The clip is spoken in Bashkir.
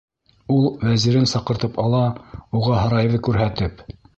Ул вәзирен саҡыртып ала, уға һарайҙы күрһәтеп: